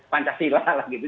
pancasila lah gitu